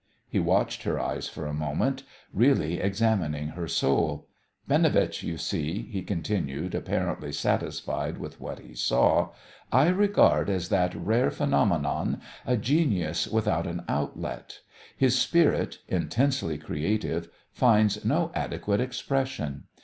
He watched her eyes for a moment, really examining her soul. "Binovitch, you see," he continued, apparently satisfied with what he saw, "I regard as that rare phenomenon a genius without an outlet. His spirit, intensely creative, finds no adequate expression.